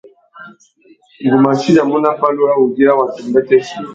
Ngu mú achiyamú nà pandú râ wugüira watu umbêtê.